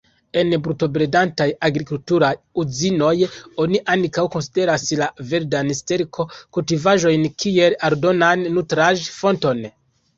En bruto-bredantaj agrikulturaj uzinoj, oni ankaŭ konsideras la verdan sterko-kultivaĵojn kiel aldonan nutraĵ-fonton.